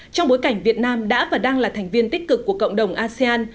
trong bối cảnh việt nam đã và đang là thành viên tích cực của cộng đồng asean